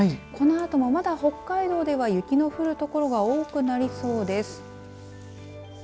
このあとも、まだ北海道では雪の降る所が多くなりそうです。